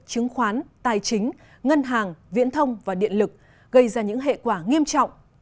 chứng khoán tài chính ngân hàng viễn thông và điện lực gây ra những hệ quả nghiêm trọng